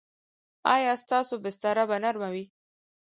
ایا ستاسو بستره به نرمه وي؟